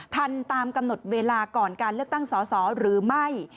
ทำตามกำหนดเวลาก่อนการเลือกตั้งสอสอหรือไม่